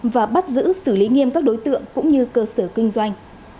và bắt giữ xử lý nghiêm các đối tượng cũng như cơ sở kinh doanh